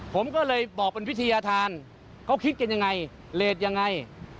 ผมก็เลยบอกเป็นวิทยาธารเขาคิดกันยังไงเลสยังไง